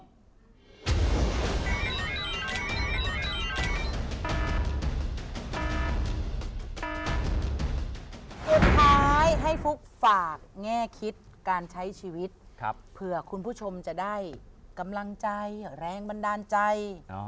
สุดท้ายให้ฟุ๊กฝากแง่คิดการใช้ชีวิตเผื่อคุณผู้ชมจะได้กำลังใจแรงบันดาลใจ